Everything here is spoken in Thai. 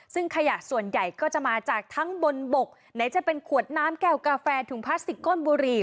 ซึ่งขยะส่วนใหญ่ก็จะมาจากทั้งบนบกไหนจะเป็นขวดน้ำแก้วกาแฟถุงพลาสติกก้นบุหรี่